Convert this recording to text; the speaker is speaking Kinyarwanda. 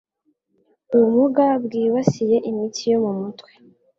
Ubumuga bwibasiye imitsi yo mu mutwe